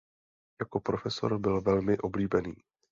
Jako profesor byl velmi oblíbený.